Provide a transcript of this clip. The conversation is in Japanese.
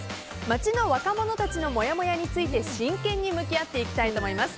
街の若者たちのもやもやについて真剣に向き合っていきたいと思います。